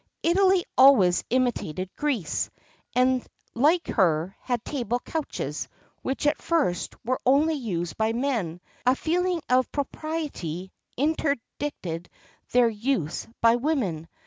[XXXII 46] Italy always imitated Greece, and, like her, had table couches, which at first, were only used by men: a feeling of propriety interdicted their use by women.